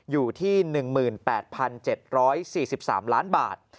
อยู่ที่๑๘๗๔๓ล้านบาท